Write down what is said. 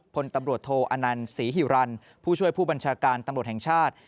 พลตำรวจโทอนันต์ศรีฮิวรรณผู้ช่วยผู้บัญชาการตำรวจแห่งชาติ